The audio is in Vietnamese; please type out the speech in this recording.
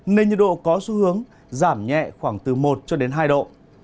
nên nhiệt độ có xu hướng giảm nhẹ khoảng từ một hai độ